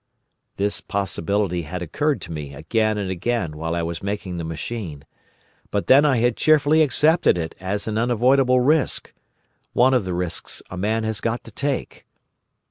This possibility had occurred to me again and again while I was making the machine; but then I had cheerfully accepted it as an unavoidable risk—one of the risks a man has got to take!